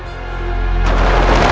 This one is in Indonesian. kami akan menangkap kalian